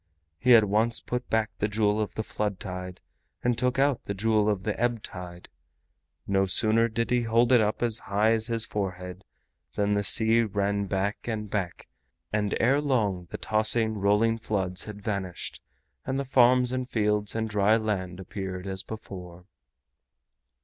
He at once put back the Jewel of the Flood Tide and took out the Jewel of the Ebb Tide. No sooner did he hold it up as high as his forehead than the sea ran back and back, and ere long the tossing rolling floods had vanished, and the farms and fields and dry land appeared as before.